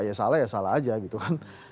ya salah ya salah aja gitu kan